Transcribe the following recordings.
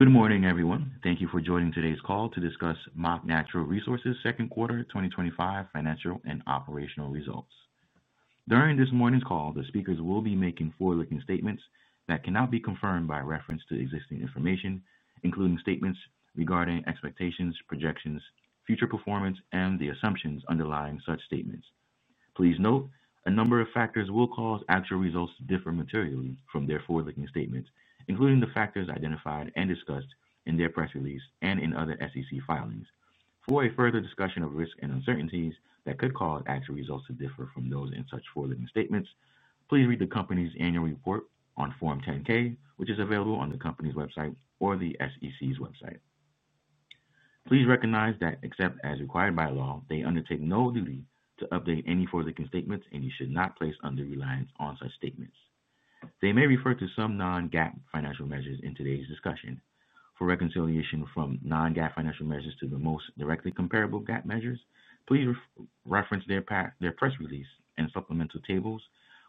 Good morning, everyone. Thank you for joining today's call to discuss Mach Natural Resources' Second Quarter 2025 Financial and Operational Results. During this morning's call, the speakers will be making forward-looking statements that cannot be confirmed by reference to existing information, including statements regarding expectations, projections, future performance, and the assumptions underlying such statements. Please note, a number of factors will cause actual results to differ materially from their forward-looking statements, including the factors identified and discussed in their press release and in other SEC filings. For a further discussion of risks and uncertainties that could cause actual results to differ from those in such forward-looking statements, please read the company's annual report on Form 10-K, which is available on the company's website or the SEC's website. Please recognize that, except as required by law, they undertake no duty to update any forward-looking statements, and you should not place undue reliance on such statements. They may refer to some non-GAAP financial measures in today's discussion. For reconciliation from non-GAAP financial measures to the most directly comparable GAAP measures, please reference their press release and supplemental tables,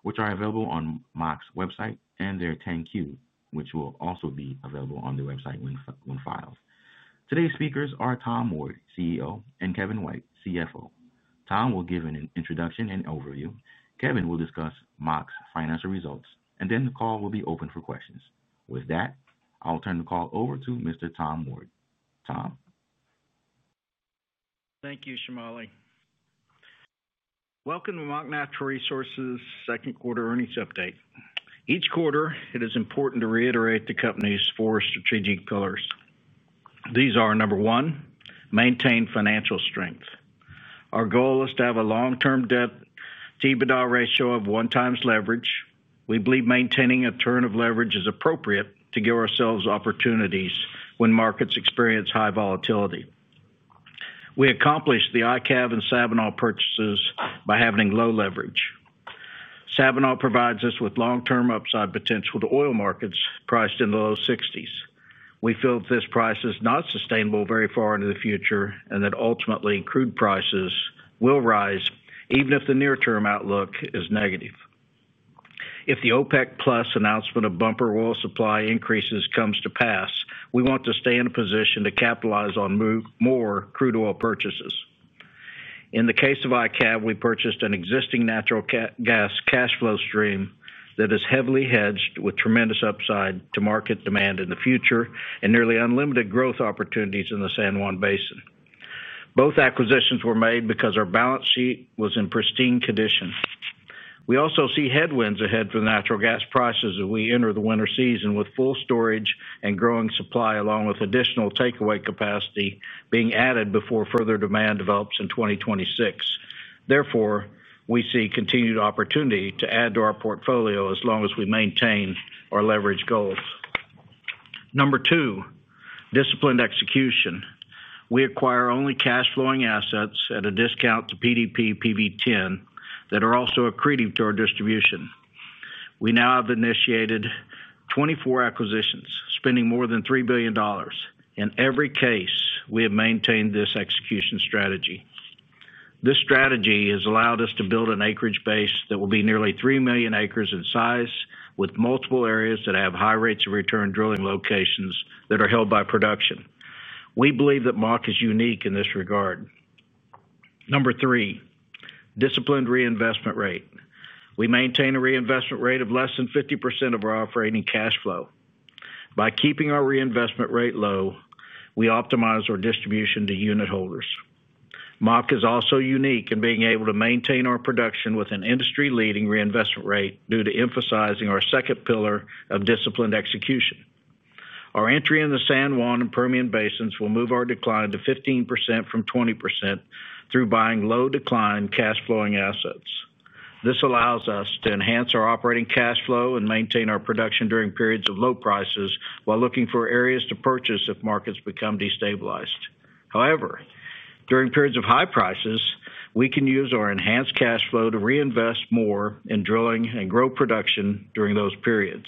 which are available on Mach's website and their 10-Q, which will also be available on their website when filed. Today's speakers are Tom Ward, CEO, and Kevin White, CFO. Tom will give an introduction and overview. Kevin will discuss Mach's financial results, and then the call will be open for questions. With that, I'll turn the call over to Mr. Tom Ward. Tom? Thank you, Shamali. Welcome to Mach Natural Resources' second quarter earnings update. Each quarter, it is important to reiterate the company's four strategic pillars. These are, number one, maintain financial strength. Our goal is to have a long-term debt to EBITDA ratio of 1x leverage. We believe maintaining a turn of leverage is appropriate to give ourselves opportunities when markets experience high volatility. We accomplished the IKAV and Sabinal purchases by having low leverage. Sabinal provides us with long-term upside potential to oil markets priced in the low $60s. We feel that this price is not sustainable very far into the future and that ultimately crude prices will rise, even if the near-term outlook is negative. If the OPEC Plus announcement of bumper oil supply increases comes to pass, we want to stay in a position to capitalize on more crude oil purchases. In the case of IKAV, we purchased an existing natural gas cash flow stream that is heavily hedged with tremendous upside to market demand in the future and nearly unlimited growth opportunities in the San Juan Basin. Both acquisitions were made because our balance sheet was in pristine condition. We also see headwinds ahead for natural gas prices as we enter the winter season with full storage and growing supply, along with additional takeaway capacity being added before further demand develops in 2026. Therefore, we see continued opportunity to add to our portfolio as long as we maintain our leverage goals. Number two, disciplined execution. We acquire only cash-flowing assets at a discount to PDP PV-10 that are also accreting to our distribution. We now have initiated 24 acquisitions, spending more than $3 billion. In every case, we have maintained this execution strategy. This strategy has allowed us to build an acreage base that will be nearly 3 million acres in size, with multiple areas that have high rates of return drilling locations that are held by production. We believe that Mach is unique in this regard. Number three, disciplined reinvestment rate. We maintain a reinvestment rate of less than 50% of our operating cash flow. By keeping our reinvestment rate low, we optimize our distribution to unit holders. Mach is also unique in being able to maintain our production with an industry-leading reinvestment rate due to emphasizing our second pillar of disciplined execution. Our entry in the San Juan and Permian Basins will move our decline to 15% from 20% through buying low-decline cash-flowing assets. This allows us to enhance our operating cash flow and maintain our production during periods of low prices while looking for areas to purchase if markets become destabilized. However, during periods of high prices, we can use our enhanced cash flow to reinvest more in drilling and grow production during those periods.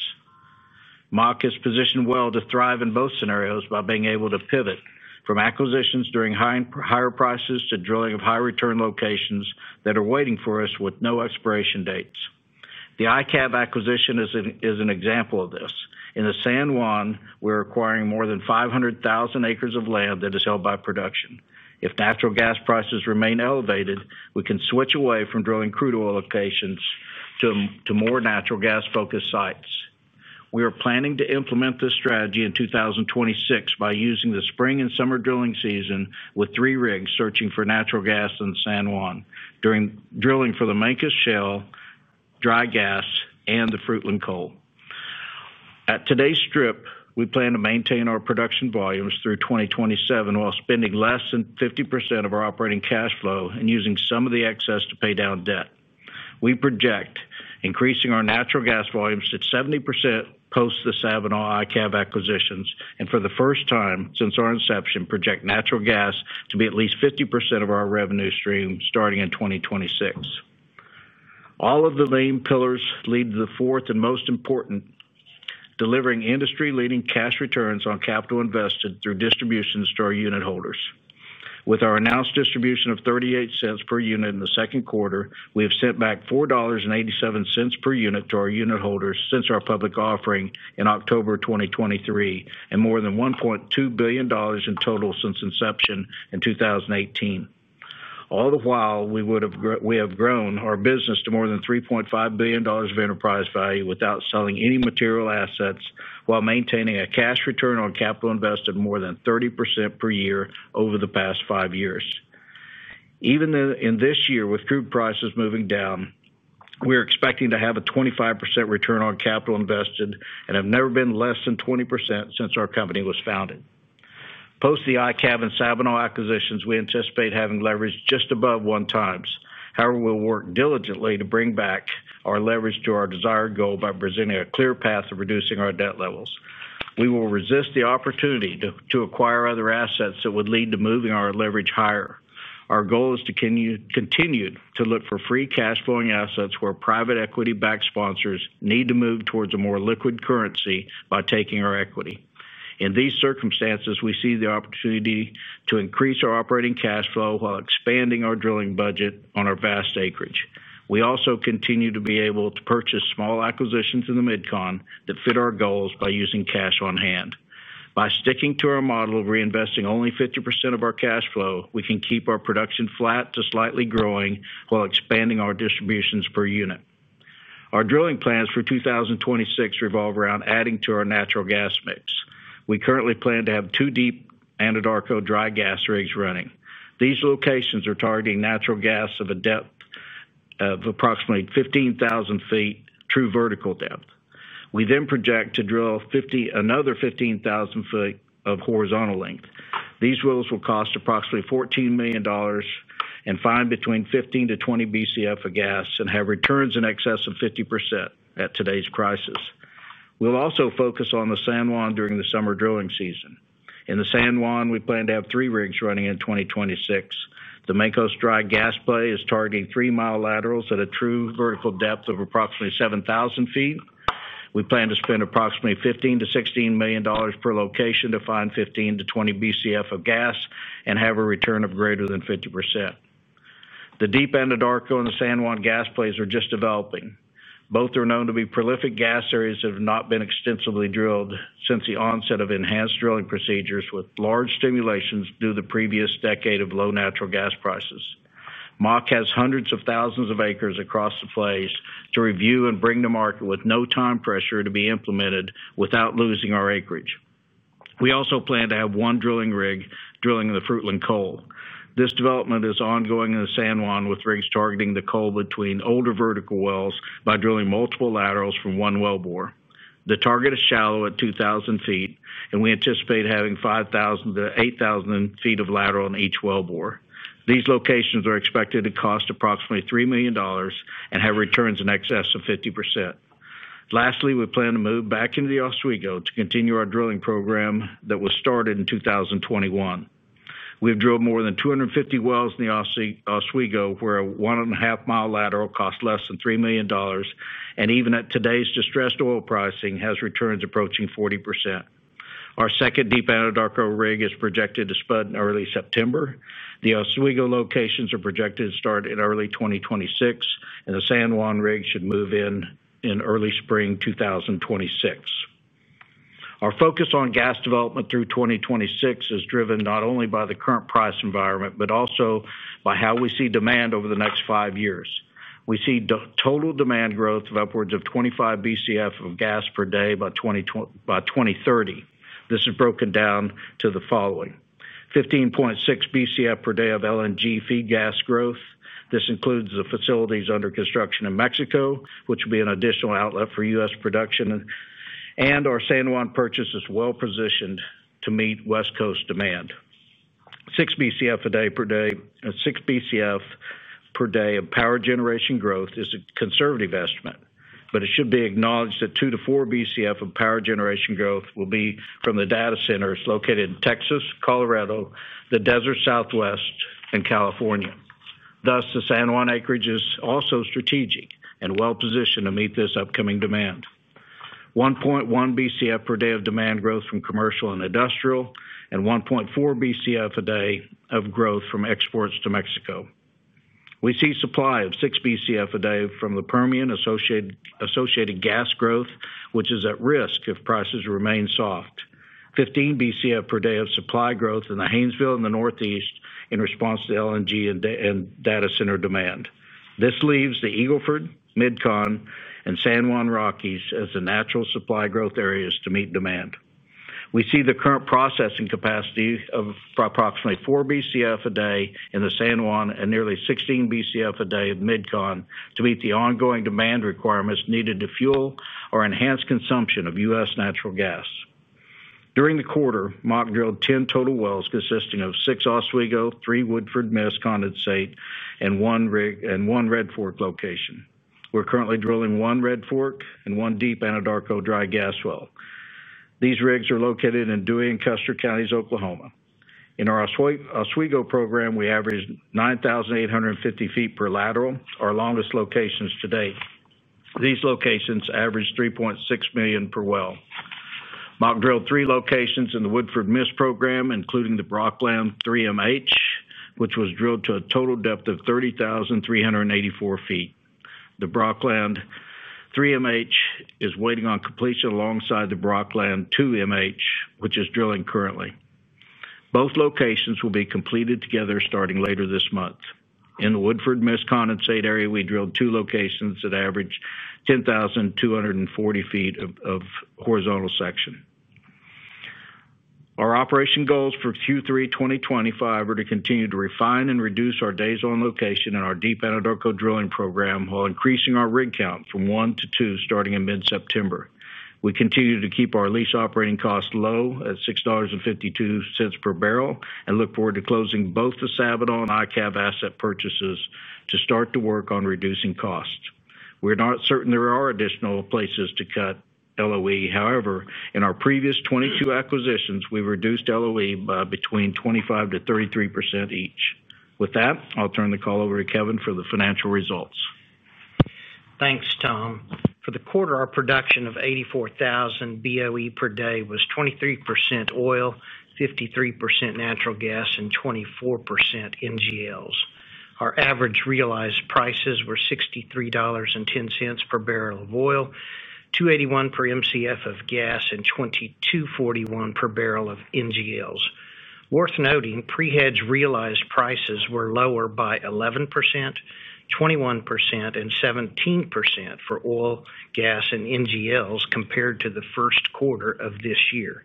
Mach is positioned well to thrive in both scenarios by being able to pivot from acquisitions during higher prices to drilling of high-return locations that are waiting for us with no expiration dates. The IKAV acquisition is an example of this. In the San Juan, we're acquiring more than 500,000 acres of land that is held by production. If natural gas prices remain elevated, we can switch away from drilling crude oil locations to more natural gas-focused sites. We are planning to implement this strategy in 2026 by using the spring and summer drilling season with three rigs searching for natural gas in the San Juan during drilling for the Mancos Shale, dry gas, and the Fruitland Coal. At today's strip, we plan to maintain our production volumes through 2027 while spending less than 50% of our operating cash flow and using some of the excess to pay down debt. We project increasing our natural gas volumes to 70% post the Sabinal/IKAV acquisitions and, for the first time since our inception, project natural gas to be at least 50% of our revenue stream starting in 2026. All of the main pillars lead to the fourth and most important: delivering industry-leading cash returns on capital invested through distributions to our unit holders. With our announced distribution of $0.38 per unit in the second quarter, we have sent back $4.87 per unit to our unit holders since our public offering in October 2023 and more than $1.2 billion in total since inception in 2018. All the while, we have grown our business to more than $3.5 billion of enterprise value without selling any material assets while maintaining a cash return on capital invested more than 30% per year over the past five years. Even in this year, with crude prices moving down, we are expecting to have a 25% return on capital invested and have never been less than 20% since our company was founded. Post the IKAV and Sabinal acquisitions, we anticipate having leverage just above one times. However, we'll work diligently to bring back our leverage to our desired goal by presenting a clear path of reducing our debt levels. We will resist the opportunity to acquire other assets that would lead to moving our leverage higher. Our goal is to continue to look for free cash-flowing assets where private equity-backed sponsors need to move towards a more liquid currency by taking our equity. In these circumstances, we see the opportunity to increase our operating cash flow while expanding our drilling budget on our vast acreage. We also continue to be able to purchase small acquisitions in the Mid-Con that fit our goals by using cash on hand. By sticking to our model of reinvesting only 50% of our cash flow, we can keep our production flat to slightly growing while expanding our distributions per unit. Our drilling plans for 2026 revolve around adding to our natural gas mix. We currently plan to have two deep Anadarko dry gas rigs running. These locations are targeting natural gas of a depth of approximately 15,000 ft true vertical depth. We then project to drill another 15,000 feet of horizontal length. These drills will cost approximately $14 million and find between 15 Bcf-20 Bcf of gas and have returns in excess of 50% at today's prices. We'll also focus on the San Juan during the summer drilling season. In the San Juan, we plan to have three rigs running in 2026. The Mancos dry gas play is targeting three-mile laterals at a true vertical depth of approximately 7,000 ft. We plan to spend approximately $15 million-$16 million per location to find 15 Bcf-20 Bcf of gas and have a return of greater than 50%. The deep Anadarko and the San Juan gas plays are just developing. Both are known to be prolific gas areas that have not been extensively drilled since the onset of enhanced drilling procedures with large stimulations due to the previous decade of low natural gas prices. Mach has hundreds of thousands of acres across the plays to review and bring to market with no time pressure to be implemented without losing our acreage. We also plan to have one drilling rig drilling in the Fruitland Coal. This development is ongoing in the San Juan with rigs targeting the coal between older vertical wells by drilling multiple laterals from one well bore. The target is shallow at 2,000 ft, and we anticipate having 5,000 ft-8,000 ft of lateral in each well bore. These locations are expected to cost approximately $3 million and have returns in excess of 50%. Lastly, we plan to move back into the Oswego to continue our drilling program that was started in 2021. We've drilled more than 250 wells in the Oswego where a 1.5 mile lateral costs less than $3 million, and even at today's distressed oil pricing, it has returns approaching 40%. Our second deep Anadarko rig is projected to spud in early September. The Oswego locations are projected to start in early 2026, and the San Juan rig should move in in early spring 2026. Our focus on gas development through 2026 is driven not only by the current price environment but also by how we see demand over the next five years. We see total demand growth of upwards of 25 Bcf of gas per day by 2030. This is broken down to the following: 15.6 Bcf per day of LNG feed gas growth. This includes the facilities under construction in Mexico, which will be an additional outlet for U.S. production, and our San Juan purchase is well-positioned to meet West Coast demand. 6 Bcf per day of power generation growth is a conservative estimate, but it should be acknowledged that 2 Bcf-4 Bcf of power generation growth will be from the data centers located in Texas, Colorado, the desert Southwest, and California. Thus, the San Juan acreage is also strategic and well-positioned to meet this upcoming demand. 1.1 Bcf per day of demand growth from commercial and industrial, and 1.4 Bcf per day of growth from exports to Mexico. We see supply of 6 Bcf per day from the Permian-associated gas growth, which is at risk if prices remain soft. 15 Bcf per day of supply growth in the Haynesville in the Northeast in response to LNG and data center demand. This leaves the Eagle Ford, Mid-Con, and San Juan Rockies as the natural supply growth areas to meet demand. We see the current processing capacity of approximately 4 Bcf per day in the San Juan and nearly 16 Bcf per day in Mid-Con to meet the ongoing demand requirements needed to fuel or enhance consumption of U.S. natural gas. During the quarter, Mach drilled 10 total wells consisting of six Oswego, three Woodford-Miss Condensate, and one Red Fork location. We're currently drilling one Red Fork and one deep Anadarko dry gas well. These rigs are located in Dewey and Custer Counties, Oklahoma. In our Oswego program, we averaged 9,850 ft per lateral, our longest locations to date. These locations averaged $3.6 million per well. Mach drilled three locations in the Woodford-Miss program, including the [Brockland 3MH], which was drilled to a total depth of 30,384 ft. The [Brockland 3MH] is waiting on completion alongside the [Brockland 2MH], which is drilling currently. Both locations will be completed together starting later this month. In the Woodford-Miss Condensate area, we drilled two locations that averaged 10,240 ft of horizontal section. Our operation goals for Q3 2025 are to continue to refine and reduce our [Dazon] location in our deep Anadarko drilling program while increasing our rig count from one to two starting in mid-September. We continue to keep our lease operating costs low at $6.52 per barrel and look forward to closing both the Sabinal and IKAV asset purchases to start to work on reducing costs. We're not certain there are additional places to cut LOE. However, in our previous 22 acquisitions, we've reduced LOE by between 25%-33% each. With that, I'll turn the call over to Kevin for the financial results. Thanks, Tom. For the quarter, our production of 84,000 BOE per day was 23% oil, 53% natural gas, and 24% NGLs. Our average realized prices were $63.10 per barrel of oil, $2.81 per MCF of gas, and $22.41 per barrel of NGLs. Worth noting, pre-hedge realized prices were lower by 11%, 21%, and 17% for oil, gas, and NGLs compared to the first quarter of this year.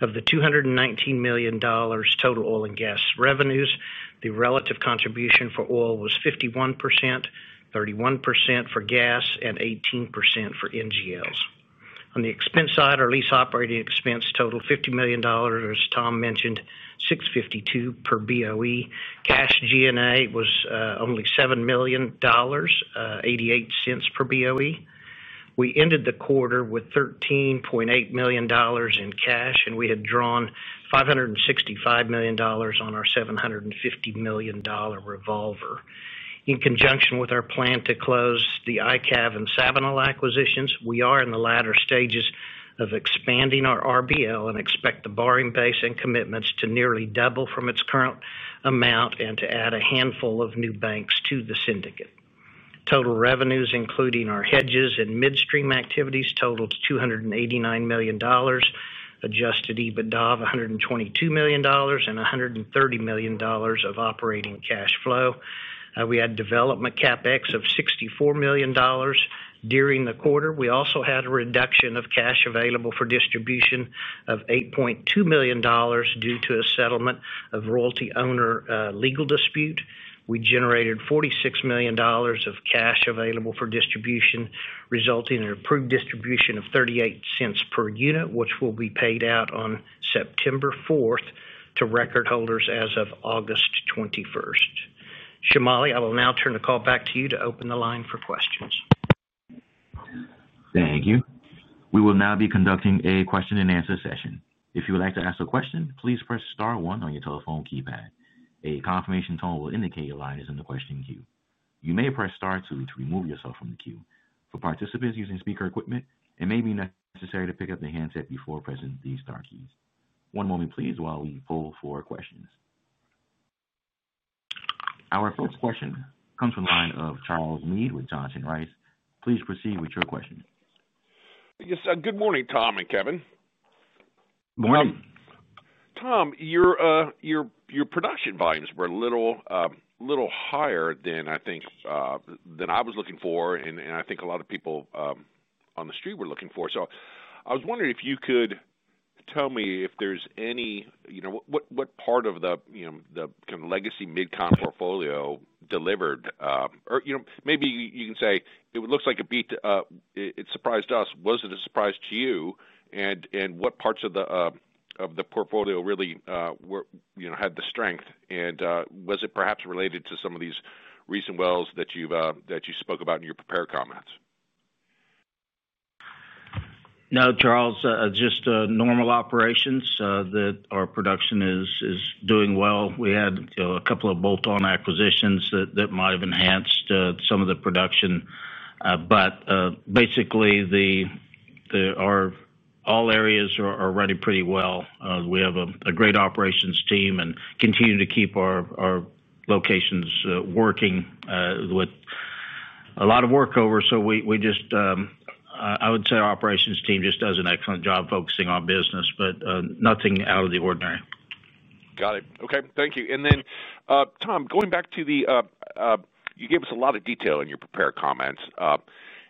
Of the $219 million total oil and gas revenues, the relative contribution for oil was 51%, 31% for gas, and 18% for NGLs. On the expense side, our lease operating expense totaled $50 million, as Tom mentioned, $6.52 per BOE. Cash G&A was only $7 million, $0.88 per BOE. We ended the quarter with $13.8 million in cash, and we had drawn $565 million on our $750 million revolving credit facility. In conjunction with our plan to close the IKAV and Sabinal acquisitions, we are in the latter stages of expanding our RBL and expect the borrowing base and commitments to nearly double from its current amount and to add a handful of new banks to the syndicate. Total revenues, including our hedges and midstream activities, totaled $289 million, adjusted EBITDA of $122 million, and $130 million of operating cash flow. We had development CAPEX of $64 million during the quarter. We also had a reduction of cash available for distribution of $8.2 million due to a settlement of royalty owner legal dispute. We generated $46 million of cash available for distribution, resulting in an approved distribution of $0.38 per unit, which will be paid out on September 4th to record holders as of August 21st. Shamali, I will now turn the call back to you to open the line for questions. Thank you. We will now be conducting a question and answer session. If you would like to ask a question, please press star one on your telephone keypad. A confirmation tone will indicate your line is in the question queue. You may press star two to remove yourself from the queue. For participants using speaker equipment, it may be necessary to pick up the handset before pressing the star keys. One moment, please, while we pull for questions. Our first question comes from the line of Charles Meade with Johnson Rice. Please proceed with your question. Yes, good morning, Tom and Kevin. Morning. Tom, your production volumes were a little higher than I think I was looking for, and I think a lot of people on the street were looking for. I was wondering if you could tell me if there's any, you know, what part of the kind of legacy Mid-Con portfolio delivered, or you know, maybe you can say it looks like it beat, it surprised us. Was it a surprise to you? What parts of the portfolio really had the strength? Was it perhaps related to some of these recent wells that you spoke about in your prepared comments? No, Charles, just normal operations that our production is doing well. We had a couple of bolt-on acquisitions that might have enhanced some of the production. Basically, all areas are running pretty well. We have a great operations team and continue to keep our locations working with a lot of workover. I would say our operations team just does an excellent job focusing on business, but nothing out of the ordinary. Got it. Okay, thank you. Tom, going back to the, you gave us a lot of detail in your prepared comments,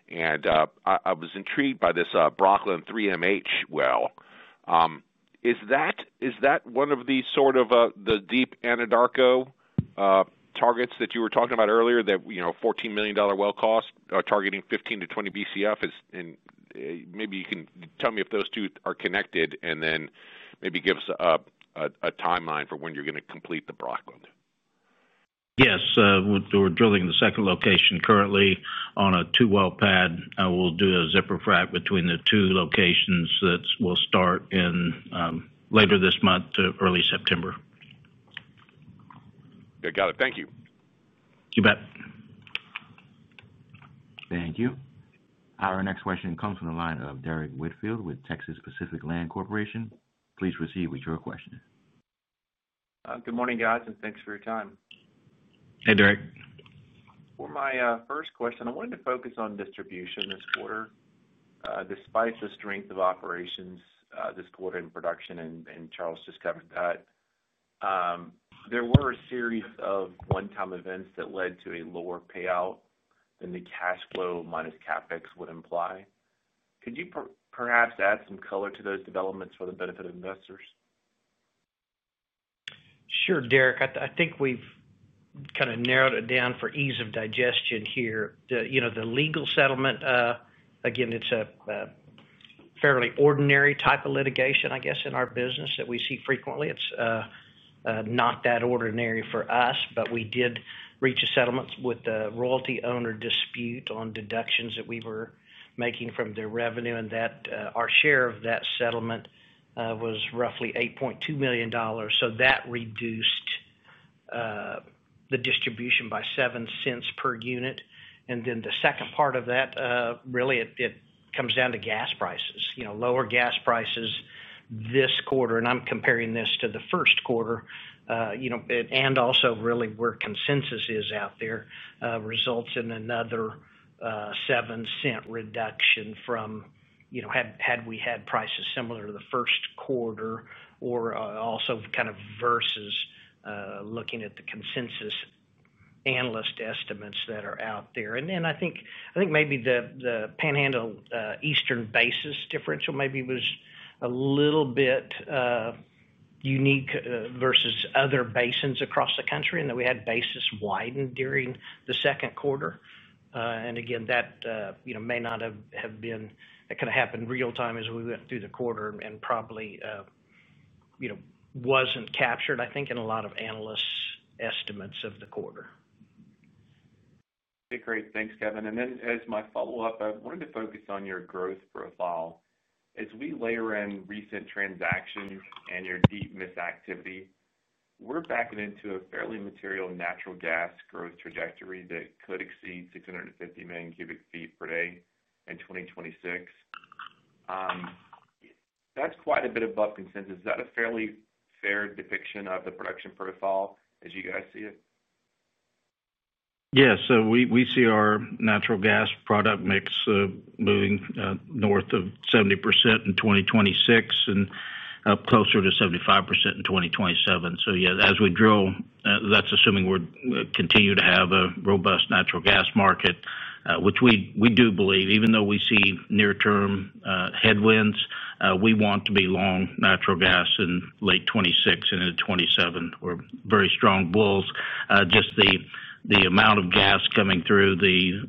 and I was intrigued by this [Brockland 3MH] well. Is that one of the sort of the deep Anadarko targets that you were talking about earlier that, you know, $14 million well costs are targeting 15 Bcf-20 Bcf? Maybe you can tell me if those two are connected and then maybe give us a timeline for when you're going to complete the [Brockland]. Yes, we're drilling the second location currently on a two-well pad. We'll do a zipper frac between the two locations, and we'll start in later this month to early September. Okay, got it. Thank you. You bet. Thank you. Our next question comes from the line of Derrick Whitfield with [Texas Capital]. Please proceed with your question. Good morning, guys, and thanks for your time. Hey, Derrick. For my first question, I wanted to focus on distribution this quarter. Despite the strength of operations this quarter in production, and Charles just covered that, there were a series of one-time events that led to a lower payout than the cash flow minus CapEx would imply. Could you perhaps add some color to those developments for the benefit of investors? Sure, Derrick. I think we've kind of narrowed it down for ease of digestion here. The legal settlement, again, it's a fairly ordinary type of litigation, I guess, in our business that we see frequently. It's not that ordinary for us, but we did reach a settlement with the royalty owner dispute on deductions that we were making from their revenue, and our share of that settlement was roughly $8.2 million. That reduced the distribution by $0.07 per unit. The second part of that, really, it comes down to gas prices. Lower gas prices this quarter, and I'm comparing this to the first quarter, and also really where consensus is out there, results in another $0.07 reduction from, you know, had we had prices similar to the first quarter or also kind of versus looking at the consensus analyst estimates that are out there. I think maybe the Panhandle Eastern Basis differential maybe was a little bit unique versus other basins across the country, and that we had bases widened during the second quarter. That may not have been, it could have happened real time as we went through the quarter and probably wasn't captured, I think, in a lot of analysts' estimates of the quarter. Great, thanks, Kevin. As my follow-up, I wanted to focus on your growth profile. As we layer in recent transactions and your deep miss activity, we're backing into a fairly material natural gas growth trajectory that could exceed 650 million cubic ft per day in 2026. That's quite a bit of bump in census. Is that a fairly fair depiction of the production profile as you guys see it? Yeah, so we see our natural gas product mix moving north of 70% in 2026 and up closer to 75% in 2027. As we drill, that's assuming we continue to have a robust natural gas market, which we do believe, even though we see near-term headwinds, we want to be long natural gas in late 2026 and into 2027. We're very strong bulls. Just the amount of gas coming through the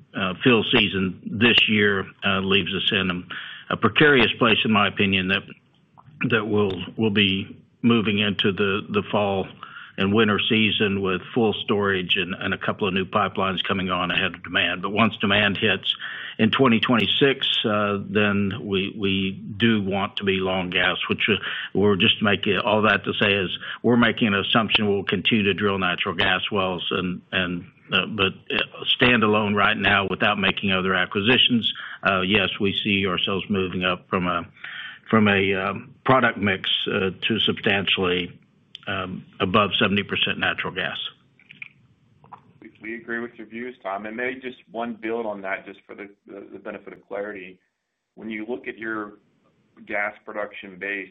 fill season this year leaves us in a precarious place, in my opinion, that we'll be moving into the fall and winter season with full storage and a couple of new pipelines coming on ahead of demand. Once demand hits in 2026, then we do want to be long gas, which we're just making all that to say is we're making an assumption we'll continue to drill natural gas wells, but stand alone right now without making other acquisitions. Yes, we see ourselves moving up from a product mix to substantially above 70% natural gas. We agree with your views, Tom. Maybe just one build on that for the benefit of clarity. When you look at your gas production base,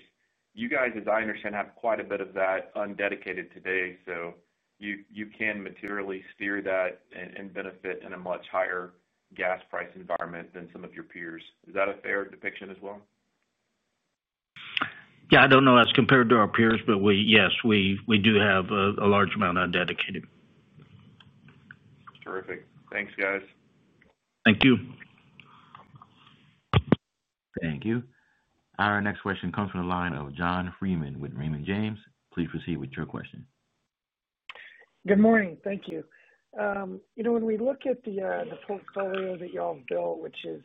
you guys, as I understand, have quite a bit of that undedicated today. You can materially steer that and benefit in a much higher gas price environment than some of your peers. Is that a fair depiction as well? Yeah, I don't know as compared to our peers, but yes, we do have a large amount undedicated. Terrific. Thanks, guys. Thank you. Thank you. Our next question comes from the line of John Freeman with Raymond James. Please proceed with your question. Good morning. Thank you. When we look at the portfolio that y'all built, which is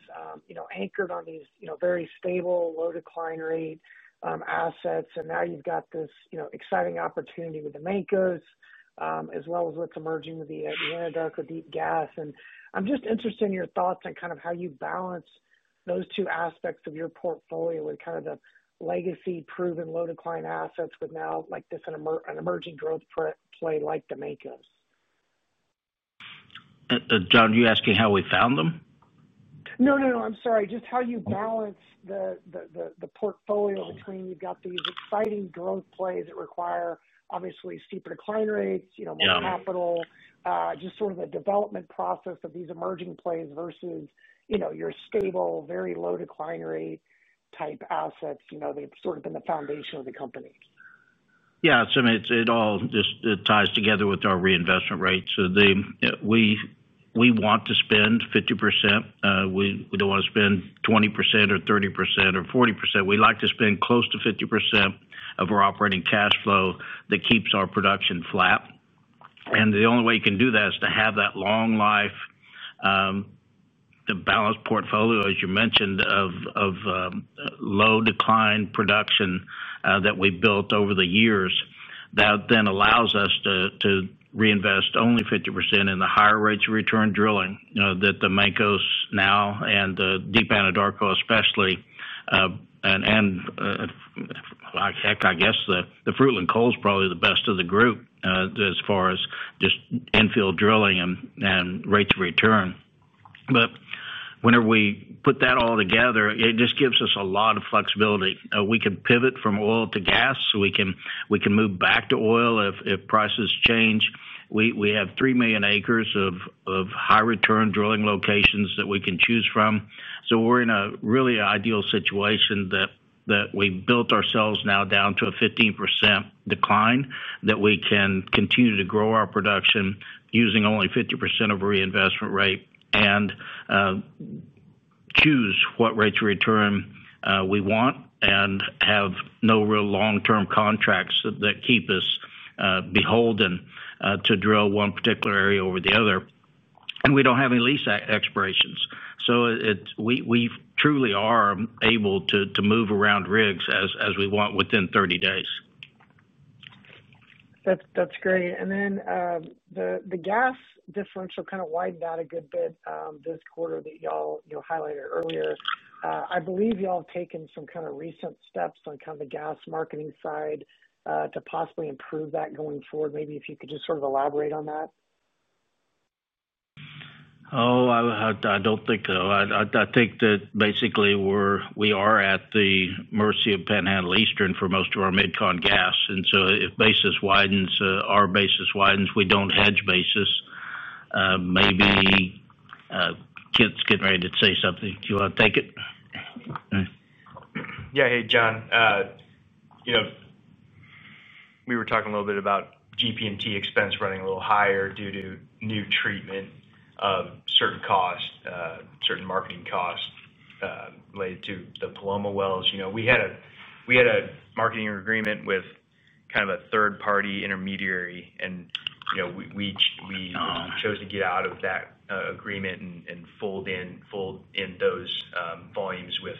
anchored on these very stable, low-decline rate assets, now you've got this exciting opportunity with the Mancos, as well as what's emerging with the Anadarko deep gas. I'm just interested in your thoughts on how you balance those two aspects of your portfolio, the legacy proven low-decline assets with this emerging growth play like the Mancos. John, are you asking how we found them? I'm sorry. Just how you balance the portfolio between you've got these exciting growth plays that require obviously steeper decline rates, you know, more capital, just sort of the development process of these emerging plays versus, you know, your stable, very low-decline rate type assets, you know, that have sort of been the foundation of the company. Yeah, so I mean, it all just ties together with our reinvestment rates. We want to spend 50%. We don't want to spend 20% or 30% or 40%. We like to spend close to 50% of our operating cash flow that keeps our production flat. The only way you can do that is to have that long life, the balanced portfolio, as you mentioned, of low-decline production that we built over the years. That then allows us to reinvest only 50% in the higher rates of return drilling that the Mancos now and the deep Anadarko especially. I guess the Fruitland Coal is probably the best of the group as far as just in-field drilling and rates of return. Whenever we put that all together, it just gives us a lot of flexibility. We can pivot from oil to gas. We can move back to oil if prices change. We have 3 million acres of high-return drilling locations that we can choose from. We're in a really ideal situation that we've built ourselves now down to a 15% decline that we can continue to grow our production using only 50% of a reinvestment rate and choose what rates of return we want and have no real long-term contracts that keep us beholden to drill one particular area over the other. We don't have any lease expirations. We truly are able to move around rigs as we want within 30 days. That's great. The gas differential kind of widened out a good bit this quarter that y'all highlighted earlier. I believe y'all have taken some recent steps on the gas marketing side to possibly improve that going forward. Maybe if you could just elaborate on that. Oh, I don't think so. I think that basically we are at the mercy of Panhandle Eastern for most of our Mid-Con gas, and if basis widens, our basis widens. We don't hedge basis. Maybe Kent's getting ready to say something. Do you want to take it? Yeah, hey John. We were talking a little bit about GPMT expense running a little higher due to new treatment, certain costs, certain marketing costs related to the Paloma wells. We had a marketing agreement with kind of a third-party intermediary, and we chose to get out of that agreement and fold in those volumes with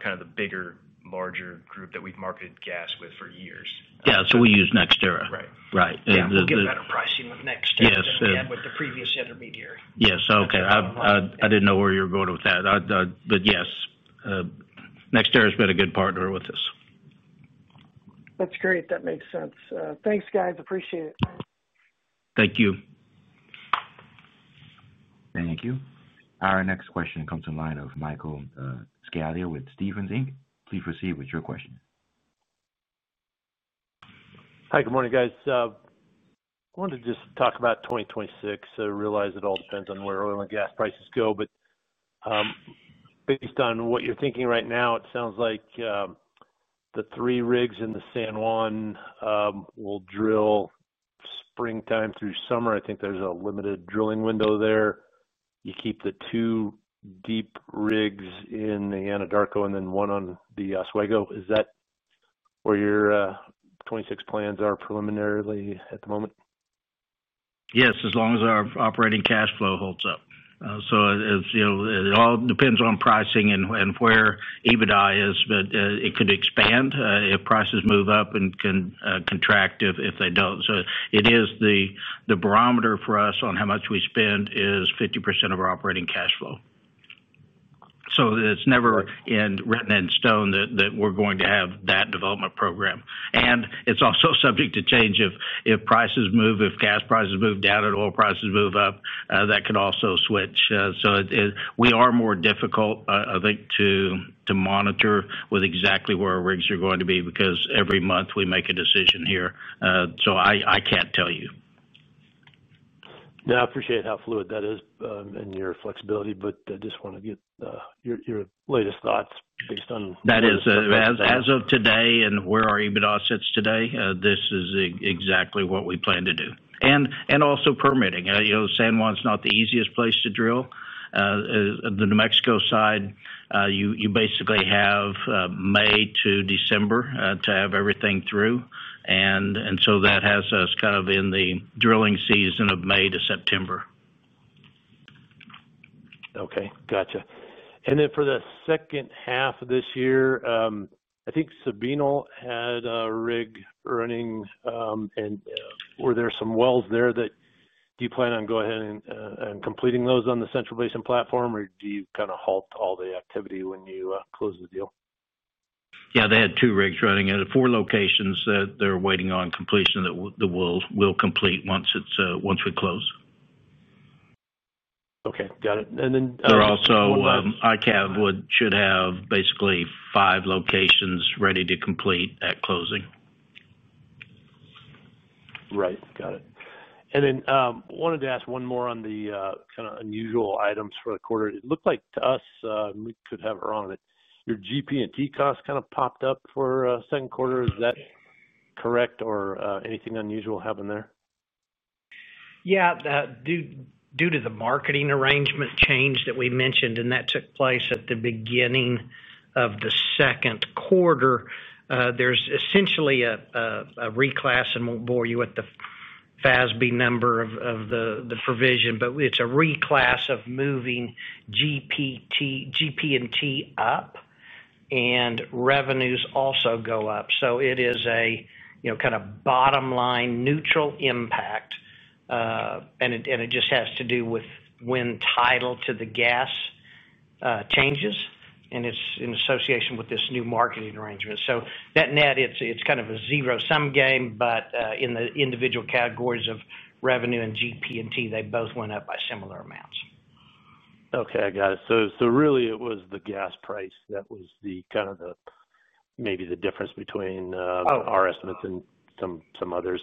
kind of the bigger, larger group that we've marketed gas with for years. Yeah, so we use NextEra. Right. Right. You get better pricing with NextEra than with the previous intermediary. Yes, okay. I didn't know where you were going with that. Yes, NextEra has been a good partner with us. That's great. That makes sense. Thanks, guys. Appreciate it. Thank you. Thank you. Our next question comes from the line of Michael Scialla with Stephens, Inc. Please proceed with your question. Hi, good morning, guys. I wanted to just talk about 2026. I realize it all depends on where oil and gas prices go, but based on what you're thinking right now, it sounds like the three rigs in the San Juan will drill springtime through summer. I think there's a limited drilling window there. You keep the two deep rigs in the Anadarko and then one on the Oswego. Is that where your 2026 plans are preliminarily at the moment? Yes, as long as our operating cash flow holds up. It all depends on pricing and where EBITDA is, but it could expand if prices move up and can contract if they don't. It is the barometer for us on how much we spend is 50% of our operating cash flow. It's never written in stone that we're going to have that development program. It's also subject to change if prices move. If gas prices move down and oil prices move up, that could also switch. We are more difficult, I think, to monitor with exactly where our rigs are going to be because every month we make a decision here. I can't tell you. Yeah, I appreciate how fluid that is in your flexibility. I just want to get your latest thoughts based on. That is as of today and where our EBITDA sits today, this is exactly what we plan to do. Also, permitting. You know, San Juan's not the easiest place to drill. The New Mexico side, you basically have May to December to have everything through, which has us kind of in the drilling season of May to September. Okay, gotcha. For the second half of this year, I think Sabinal had a rig running. Were there some wells there that you plan on going ahead and completing on the Central Basin platform, or do you kind of halt all the activity when you close the deal? Yeah, they had two rigs running at four locations that they're waiting on completion, that we'll complete once we close. Okay, got it. They're also IKAV, which should have basically five locations ready to complete at closing. Right, got it. I wanted to ask one more on the kind of unusual items for the quarter. It looked like to us, we could have it wrong, but your GP&T cost kind of popped up for the second quarter. Is that correct or did anything unusual happen there? Yeah, due to the marketing arrangement change that we mentioned, and that took place at the beginning of the second quarter, there's essentially a reclass, and won't bore you with the FASB number of the provision, but it's a reclass of moving GP&T up and revenues also go up. It is a kind of bottom line neutral impact, and it just has to do with when title to the gas changes, and it's in association with this new marketing arrangement. Net-net, it's kind of a zero-sum game, but in the individual categories of revenue and GP&T, they both went up by similar amounts. Okay, I got it. It was the gas price that was kind of the maybe the difference between our estimates and some others.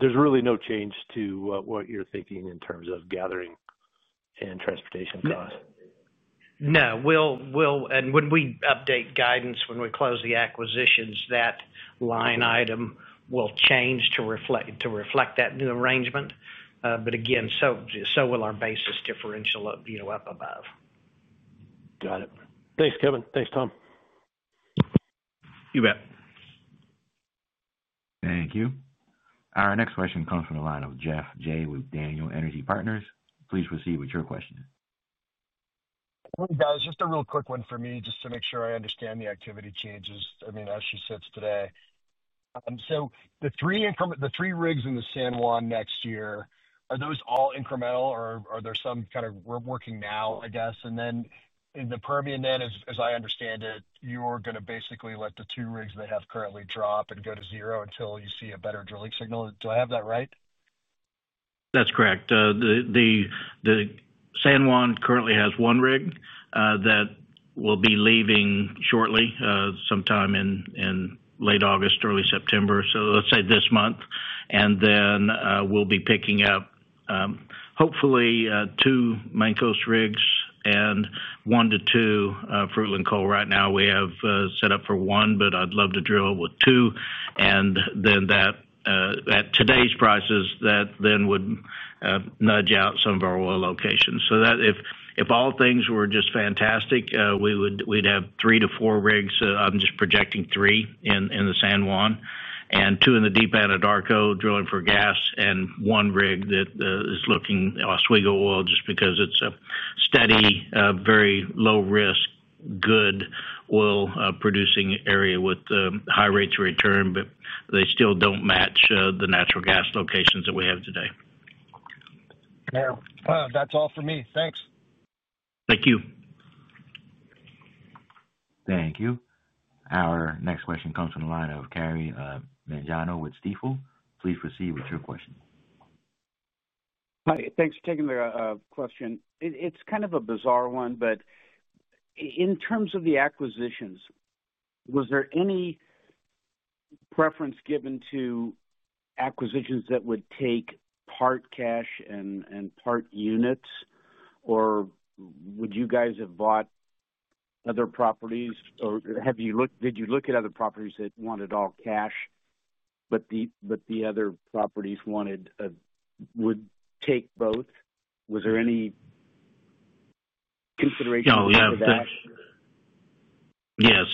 There's really no change to what you're thinking in terms of gathering and transportation costs. No, when we update guidance, when we close the acquisitions, that line item will change to reflect that new arrangement. Again, so will our basis differential up above. Got it. Thanks, Kevin. Thanks, Tom. You bet. Thank you. Our next question comes from the line of Geoff Jay with Daniel Energy Partners. Please proceed with your question. Hey guys, just a real quick one for me just to make sure I understand the activity changes. As she sits today, the three rigs in the San Juan next year, are those all incremental or are there some kind of, we're working now, I guess? In the Permian, as I understand it, you are going to basically let the two rigs they have currently drop and go to zero until you see a better drilling signal. Do I have that right? That's correct. The San Juan currently has one rig that will be leaving shortly sometime in late August, early September, so let's say this month. We'll be picking up hopefully two Mancos rigs and one to two Fruitland Coal. Right now we have set up for one, but I'd love to drill it with two. At today's prices, that then would nudge out some of our oil locations. If all things were just fantastic, we'd have three to four rigs. I'm just projecting three in the San Juan and two in the deep Anadarko drilling for gas and one rig that is looking Oswego oil just because it's a steady, very low-risk, good oil-producing area with high rates of return, but they still don't match the natural gas locations that we have today. Yeah, that's all for me. Thanks. Thank you. Thank you. Our next question comes from the line of Kerry Mangano with Stifel. Please proceed with your question. Hi, thanks for taking the question. In terms of the acquisitions, was there any preference given to acquisitions that would take part cash and part units, or would you guys have bought other properties, or have you looked, did you look at other properties that wanted all cash, but the other properties would take both? Was there any consideration? No, we have that. Yes,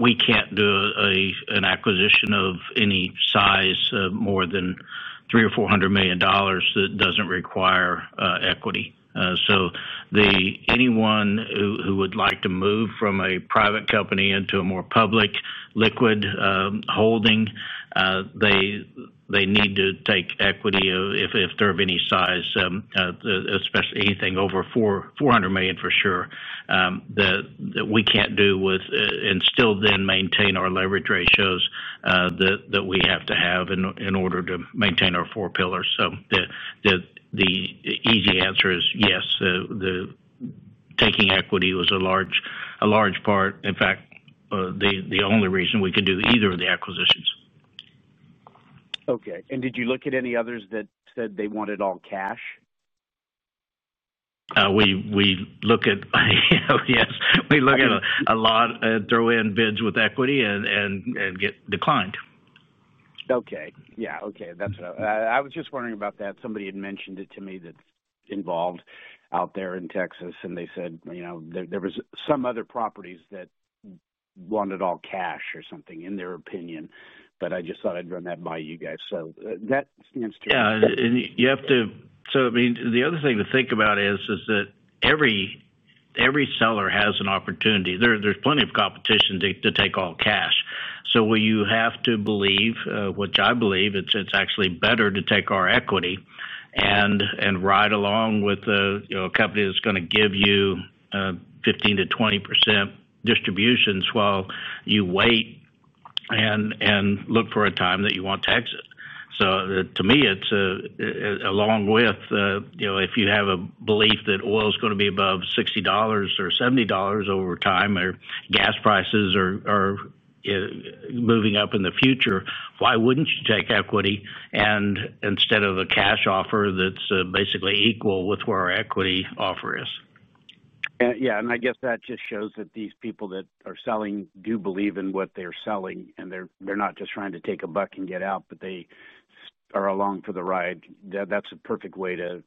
we can't do an acquisition of any size more than $300 million or $400 million that doesn't require equity. Anyone who would like to move from a private company into a more public liquid holding, they need to take equity if they're of any size, especially anything over $400 million for sure, that we can't do with and still then maintain our leverage ratios that we have to have in order to maintain our four pillars. The easy answer is yes, the taking equity was a large part. In fact, the only reason we could do either of the acquisitions. Okay, did you look at any others that said they wanted all cash? We look at a lot of throw-in bids with equity and get declined. Okay, that's what I was just wondering about. Somebody had mentioned it to me that's involved out there in Texas, and they said there were some other properties that wanted all cash or something in their opinion, but I just thought I'd run that by you guys. That stands true. Yeah, you have to, the other thing to think about is that every seller has an opportunity. There's plenty of competition to take all cash. You have to believe, which I believe, it's actually better to take our equity and ride along with a company that's going to give you 15%-20% distributions while you wait and look for a time that you want to exit. To me, it's along with, you know, if you have a belief that oil is going to be above $60 or $70 over time or gas prices are moving up in the future, why wouldn't you take equity instead of a cash offer that's basically equal with where our equity offer is. Yeah, I guess that just shows that these people that are selling do believe in what they're selling and they're not just trying to take a buck and get out, but they are along for the ride. That's a perfect way to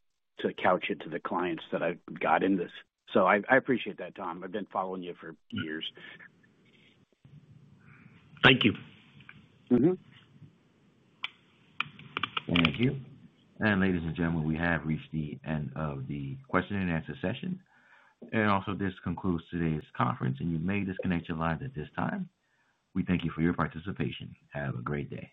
couch it to the clients that I've got in this. I appreciate that, Tom. I've been following you for years. Thank you. Thank you. Ladies and gentlemen, we have reached the end of the question and answer session. This concludes today's conference, and you may disconnect your lines at this time. We thank you for your participation. Have a great day.